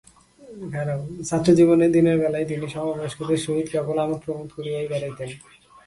ছাত্রজীবনে দিনের বেলায় তিনি সমবয়স্কদের সহিত কেবল আমোদপ্রমোদ করিয়াই বেড়াইতেন।